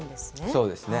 そうですね。